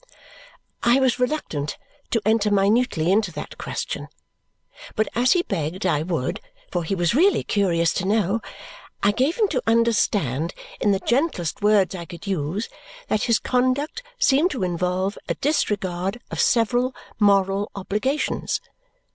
I was reluctant to enter minutely into that question, but as he begged I would, for he was really curious to know, I gave him to understand in the gentlest words I could use that his conduct seemed to involve a disregard of several moral obligations.